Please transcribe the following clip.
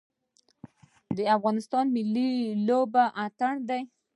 د افغانستان ملي لوبه اتن دی